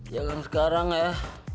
jangan sekarang ya